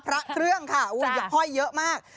พระเครื่องค่ะห้อยเยอะมาก